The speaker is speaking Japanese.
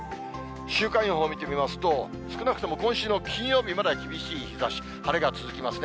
週間予報見てみますと、少なくとも今週の金曜日までは厳しい日ざし、晴れが続きますね。